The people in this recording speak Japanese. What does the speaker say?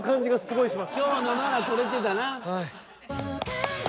今日のなら獲れてたな。